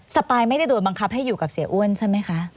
ปายไม่ได้โดนบังคับให้อยู่กับเสียอ้วนใช่ไหมคะ